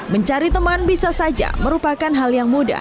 mencari teman bisa saja merupakan hal yang mudah